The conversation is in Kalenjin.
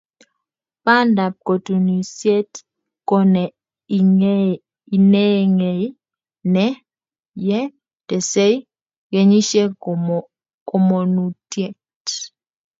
bandab kotunisiet ko ne ineegei, ye tesei kenyisiek komonutiet